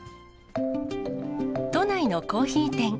都内のコーヒー店。